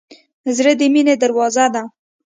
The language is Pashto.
زړه د مینې دروازه ده.